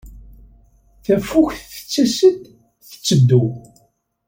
Tafukt tettas-d, tetteddu.